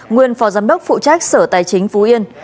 nguyên phó giám đốc phụ trách sở tài chính phú yên